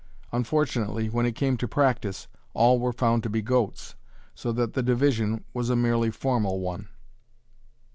Unfortunately, when it came to practice, all were found to be goats, so that the division was a merely formal one.